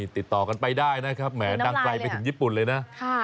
ติดต่อกันไปได้นะครับแหมดังไกลไปถึงญี่ปุ่นเลยนะ